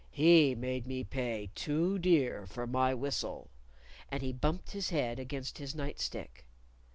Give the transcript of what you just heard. "He made me pay too dear for my whistle." And he bumped his head against his night stick.